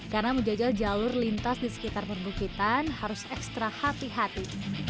karena menjajal jalur lintas di sekitar perbukitan harus ekstra hati hati